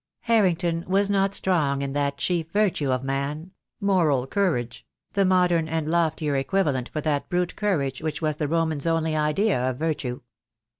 Harrington was not strong in that chief virtue of man, THE DAY WILL COME. 2 27 moral courage — the modern and loftier equivalent for that brute courage which was the Roman's only idea of virtue.